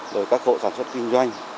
rồi các hộ sản xuất kinh doanh